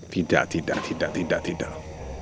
tidak tidak tidak tidak tidak